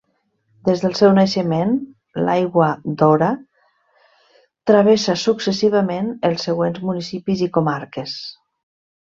Des del seu naixement, l'Aigua d'Ora travessa successivament els següents municipis i comarques.